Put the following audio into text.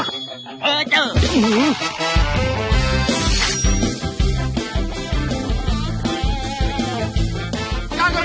ก้าวเกอร์เซปล่อยชู้ตู้เจ้าของเรา